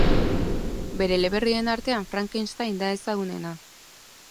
Bere eleberrien artean, Frankenstein da ezagunena.